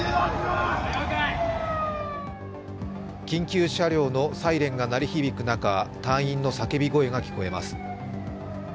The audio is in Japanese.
緊急車両のサイレンが鳴り響く中、隊員の叫び声が聞こえます。